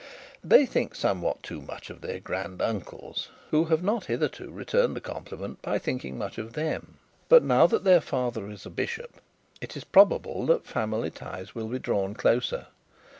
They think somewhat too much of their grand uncles, who have not hitherto returned the compliment by thinking much of them. But now that their father is a bishop, it is probable that family ties will be drawn closer.